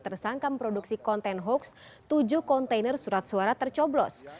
tersangka memproduksi konten hoax tujuh kontainer surat suara tercoblos